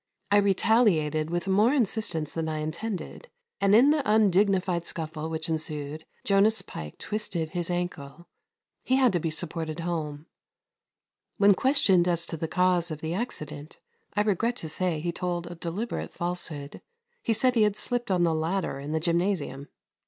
I retaliated with more insistence than I intended, and in the undignified scuffle which ensued Jonas Pike twisted his ankle. He had to be supported home. When questioned as to the cause of the accident I regret to say he told a deliberate falsehood. He said he had slipped on the ladder in the gymnasium.